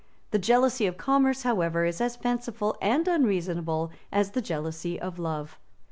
The jealousy of commerce, however, is as fanciful and unreasonable as the jealousy of love.